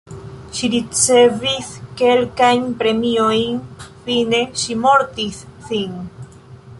Ŝi ricevis kelkajn premiojn, fine ŝi mortis sin.